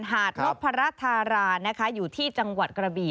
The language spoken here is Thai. หาดนพรัชธารานะคะอยู่ที่จังหวัดกระบี่